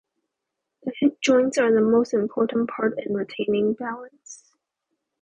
The hip joints are the most important part in retaining balance.